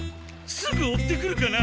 すぐ追ってくるかな？